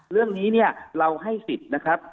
เรื่องนี้เนี่ยเราให้สิทธิ์นะครับ